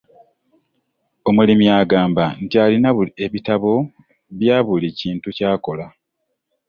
Omulimi agamba nti alina ebitabo byabuli kintu ky'akola .